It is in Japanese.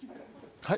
はい？